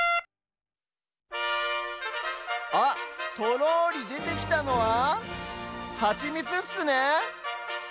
あっとろりでてきたのはハチミツっすね。